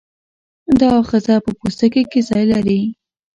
دا آخذه په پوستکي کې ځای لري.